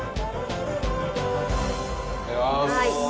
いただきます。